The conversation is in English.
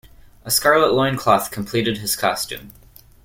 A scarlet loincloth completed his costume.